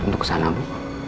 untuk ke sana bu